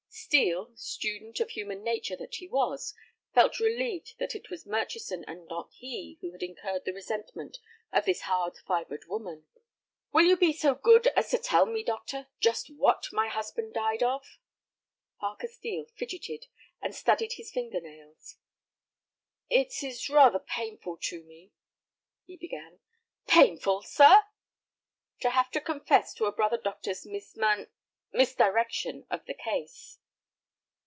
Steel, student of human nature that he was, felt relieved that it was Murchison and not he who had incurred the resentment of this hard fibred woman. "Will you be so good as to tell me, doctor, just what my husband died of?" Parker Steel fidgeted, and studied his finger nails. "It is rather painful to me," he began. "Painful, sir!" "To have to confess to a brother doctor's misman—misdirection of the case."